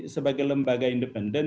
sebagai lembaga independen